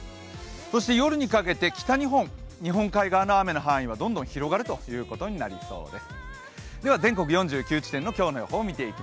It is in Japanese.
そして夜にかけて北日本、日本海側の雨の範囲はどんどん広がることになります。